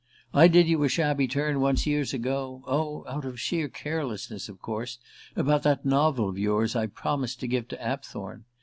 I did you a shabby turn once, years ago oh, out of sheer carelessness, of course about that novel of yours I promised to give to Apthorn.